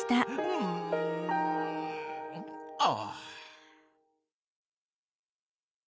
うん。ああ！